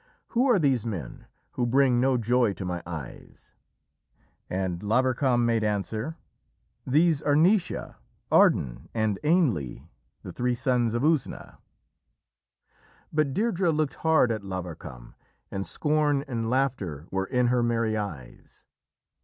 Who are these men, who bring no joy to my eyes?" And Lavarcam made answer: "These are Naoise, Ardan, and Ainle the three sons of Usna." But Deirdrê looked hard at Lavarcam, and scorn and laughter were in her merry eyes.